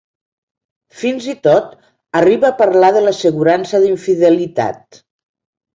Fins i tot arriba a parlar de l'assegurança d'infidelitat.